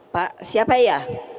pak siapa ya